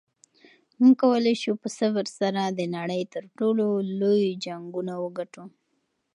موږ کولی شو په صبر سره د نړۍ تر ټولو لوی جنګونه وګټو.